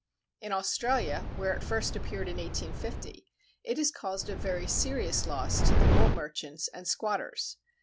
In Australia, where it first appeared in 1850, it has caused a very serious loss to the wool merchants and squatters.